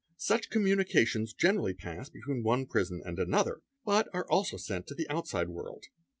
Such communications generally pass between one prison 'and another, but are also sent to the outside world.